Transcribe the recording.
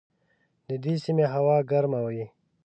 د دې سیمې هوا ګرمه وي.